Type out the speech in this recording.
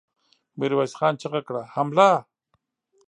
ميرويس خان چيغه کړه! حمله!